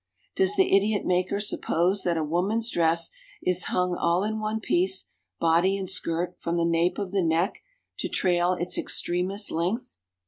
Does the idiot maker suppose that a woman's dress is hung all in one piece, body and skirt, from the nape of the neck, to trail its extremest length?